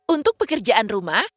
untuk pekerjaan rumah